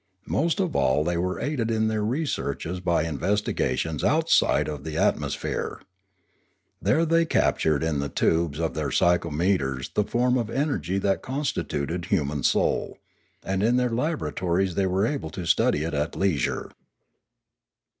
Most of all were they aided in their researches by investigations outside of the atmosphere; there they captured in the tubes of their psychometers the form of energy that constituted human soul. And in their laboratories they were able to study it at leisure.